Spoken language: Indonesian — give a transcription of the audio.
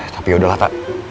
tapi yaudahlah tak